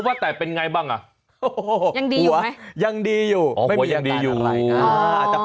ว่าอย่างไรครับ